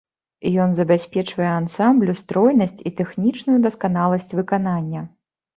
Ён забяспечвае ансамблю стройнасць і тэхнічную дасканаласць выканання.